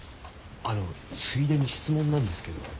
あのついでに質問なんですけど。